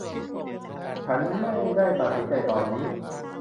ฉันไม่ได้ตัดสินใจตอนนี้